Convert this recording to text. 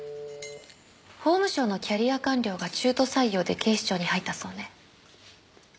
法務省のキャリア官僚が中途採用で警視庁に入ったそうね。